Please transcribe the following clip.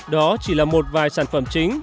đó chỉ là một vài sản phẩm chính